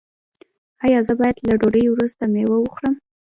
ایا زه باید له ډوډۍ وروسته میوه وخورم؟